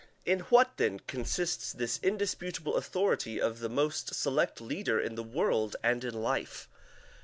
In what, then, consists this indisputable authority of the most select leader in the world and in life?